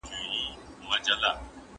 آيا قرباني ورکول تل ښه وي؟